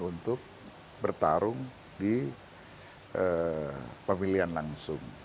untuk bertarung di pemilihan langsung